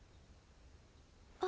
あ！